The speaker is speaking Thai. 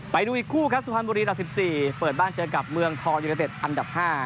ไปดูอีกคู่ครับสุพรรณบุรีดับ๑๔เปิดบ้านเจอกับเมืองทองยูเนเต็ดอันดับ๕